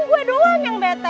gue doang yang bete